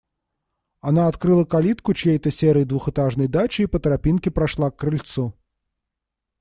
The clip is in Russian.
Она открыла калитку чьей-то серой двухэтажной дачи и по тропинке прошла к крыльцу.